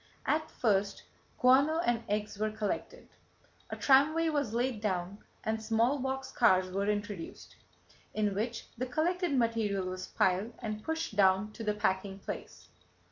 At first guano and eggs were collected. A tramway was laid down and small box cars were introduced, in which the collected material was piled and pushed down to the packing place.